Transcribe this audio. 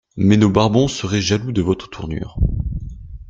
Mais nos barbons seraient jaloux de votre tournure.